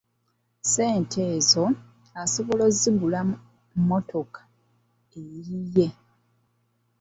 Ssente ezo asobola okuzigulamu mmotoka eyiye.